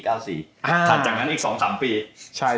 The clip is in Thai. ถัดจากนั้นอีก๒๓ปี